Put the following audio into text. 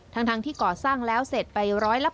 ทั้งที่ก่อสร้างแล้วเสร็จไป๑๘๐